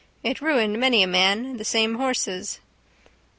It ruined many a man, the same horses.